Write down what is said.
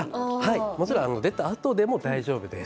もちろん出たあとでも大丈夫です。